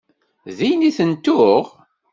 Din i ten-tuɣ?